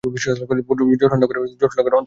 যোরহাট নগর যোরহাট লোকসভার অন্তর্গত।